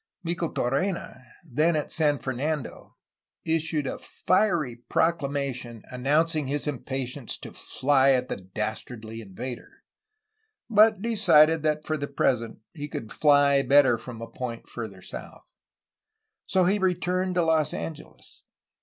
Micheltorena, then at San Fernando, issued a fiery proclamation an nouncing his impatience to fly at the dastardly invader, but decided that for the present he could ''fly" better from a point farther south. So he returned to Los Angeles.